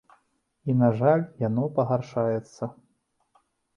І, на жаль, яно пагаршаецца.